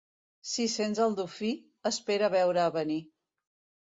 Si sents el dofí, espera veure a venir.